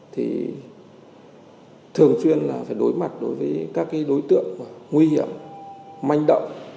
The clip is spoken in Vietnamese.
thì thường xuyên là phải đối mặt đối với các đối tượng nguy hiểm manh động